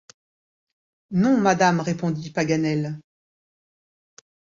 Non, madame, répondit Paganel.